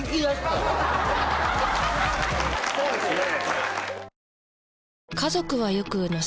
そうですね。